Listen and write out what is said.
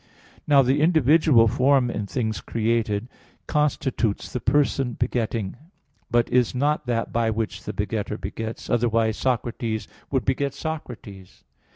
Now the individual form in things created constitutes the person begetting, but is not that by which the begetter begets, otherwise Socrates would beget Socrates.